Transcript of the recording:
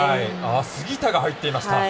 杉田が入っていました。